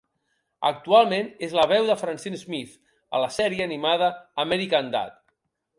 Actualment és la veu de Francine Smith a la sèrie animada American Dad!